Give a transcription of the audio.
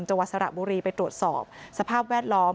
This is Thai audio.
จังหวัดสระบุรีไปตรวจสอบสภาพแวดล้อม